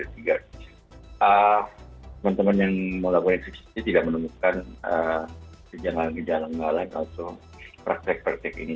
teman teman yang melakukan eksisi tidak menemukan sejalan jalan mengalami praktek praktek ini